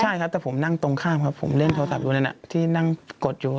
ใช่ครับแต่ผมนั่งตรงข้ามครับผมเล่นโทรศัพท์อยู่นั่นที่นั่งกดอยู่